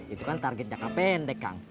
itu kan target jangka pendek kang